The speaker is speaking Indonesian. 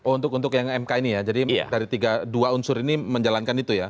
untuk yang mk ini ya jadi dari tiga unsur ini menjalankan itu ya